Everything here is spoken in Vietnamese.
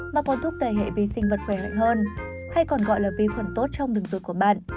mà còn thúc đẩy hệ vi sinh vật khỏe mạnh hơn hay còn gọi là vi khuẩn tốt trong đường tội của bạn